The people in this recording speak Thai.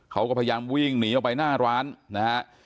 เขาก็พยายามวิ่งหนีออกไปหน้าร้านนะฮะ